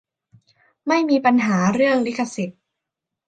ไม่มีปัญหาเรื่องลิขสิทธิ์